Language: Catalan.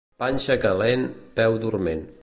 Panxa calent, peu dorment.